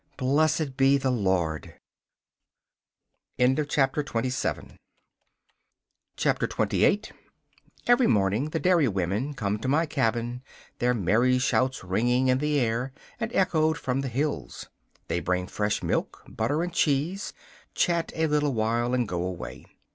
Blessed be the Lord! 28 Every morning the dairy women come to my cabin, their merry shouts ringing in the air and echoed from the hills. They bring fresh milk, butter and cheese, chat a little while and go away.